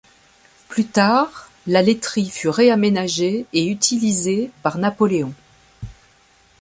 Plus tard, la laiterie fut réaménagée et utilisée par Napoléon.